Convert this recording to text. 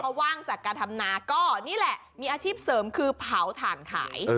เพราะว่างจากการทำนาก็นี่แหละมีอาชีพเสริมคือเผาถ่านขาย